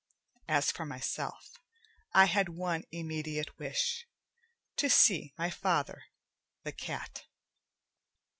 As for myself, I had one immediate wish: to see my father, the cat.